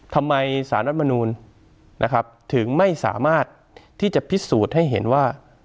สารรัฐมนูลนะครับถึงไม่สามารถที่จะพิสูจน์ให้เห็นว่า